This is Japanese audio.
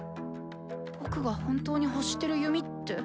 僕が本当に欲してる弓って。